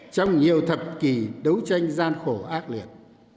trong nhiều thập kỷ đấu tranh gian khổ ác liệt